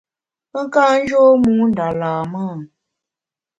Pe ka njô mû nda lam-e ?